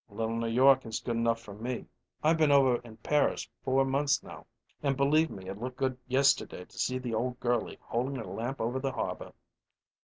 "Little New York is good enough for me. I've been over in Paris four months, now, and, believe me, it looked good yesterday to see the old girlie holdin' her lamp over the harbor."